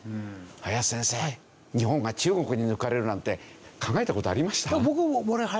林先生日本が中国に抜かれるなんて考えた事ありました？